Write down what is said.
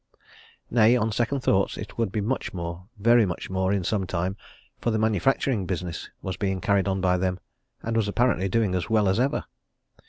Nay! on second thoughts, it would be much more, very much more in some time; for the manufacturing business was being carried on by them, and was apparently doing as well as ever.